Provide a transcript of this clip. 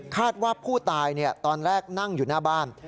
ว่าผู้ตายตอนแรกนั่งอยู่หน้าบ้าน